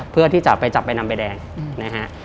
เพื่อที่จะไปจับใบนำใบแดงนะฮะ